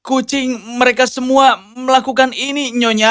kucing mereka semua melakukan ini nyonya